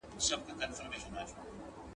بې گودره چي گډېږي، خود بې سيند وړي.